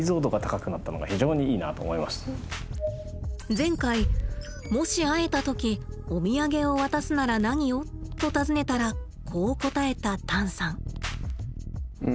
前回「もし会えた時お土産を渡すなら何を？」と尋ねたらこう答えたタンさん。